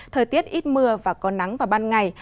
thời tiết ít mưa và có nắng vào ban ngày